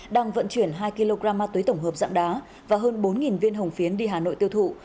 đang vận chuyển hai kg ma túy tổng hợp dạng đá và hơn bốn viên hồng phiến đi hà nội tiêu thụ